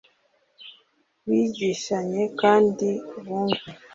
bigishanye kandi bumve,